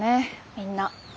みんな。